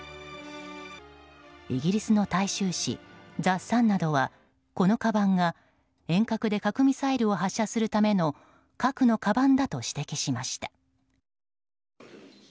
イギリスの大衆紙ザ・サンなどはこのかばんが、遠隔で核ミサイルを発射するための核のかばんだと指摘しました。